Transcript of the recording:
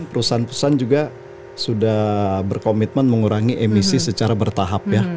perusahaan perusahaan juga sudah berkomitmen mengurangi emisi secara bertahap ya